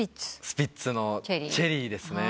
スピッツの『チェリー』ですね。